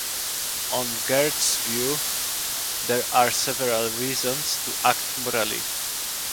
On Gert's view, there are several reasons to act morally.